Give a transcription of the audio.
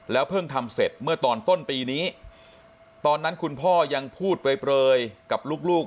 เพิ่งทำเสร็จเมื่อตอนต้นปีนี้ตอนนั้นคุณพ่อยังพูดเปลยกับลูก